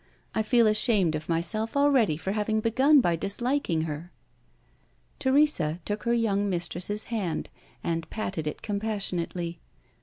I feel ashamed of myself already for having begun by disliking her." Teresa took her young mistress's hand, and patted it compassionately.